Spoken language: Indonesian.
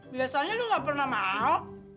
biasanya lu gak pernah mau